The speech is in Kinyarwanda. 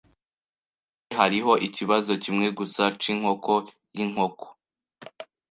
Kw'ishure hariho ikibazo kimwe gusa c'inkoko y'inkoko.